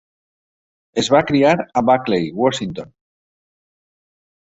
Es va criar a Buckley, Washington.